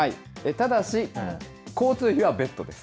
ただし、交通費は別途です。